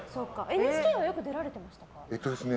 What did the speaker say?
ＮＨＫはよく出られてましたか？